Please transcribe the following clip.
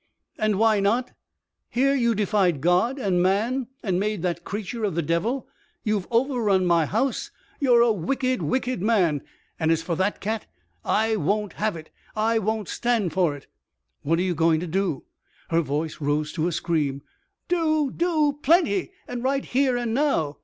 And why not? Here you defied God and man and made that creature of the devil. You've overrun my house. You're a wicked, wicked man. And as for that cat, I won't have it. I won't stand for it." "What are you going to do?" Her voice rose to a scream. "Do! Do! Plenty and right here and now."